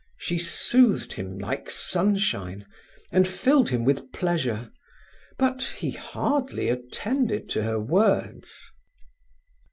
She soothed him like sunshine, and filled him with pleasure; but he hardly attended to her words.